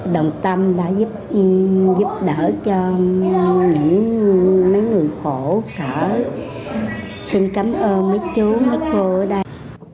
đồng tâm đã giúp đỡ cho mấy người khổ xã xin cảm ơn mấy chú mấy cô ở đây